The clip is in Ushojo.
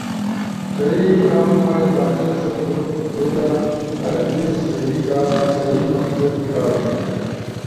تھئی کامن وائس تحقیق ست کوروم تھئی لا ہر دیز صحیح مقصد کارا